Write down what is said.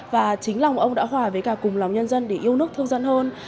và chính lòng ông đã hòa với cả cùng lòng nhân dân để yêu nước thương dân hơn